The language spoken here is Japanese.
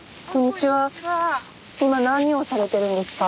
今何をされてるんですか？